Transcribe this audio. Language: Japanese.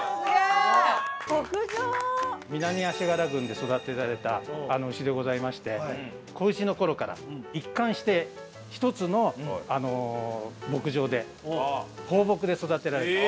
南足柄郡で育てられた牛でございまして仔牛の頃から一貫して１つの牧場で放牧で育てられた。